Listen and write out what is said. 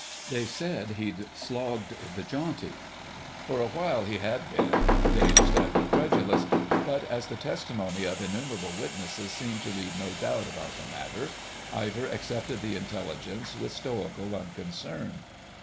They said he'd slogged the Jauntie. For a while he had been, dazed and incredulous, but as the testimony of innumerable witnesses seemed to leave no doubt about the matter, Ivor accepted the intelligence with stoical unconcern.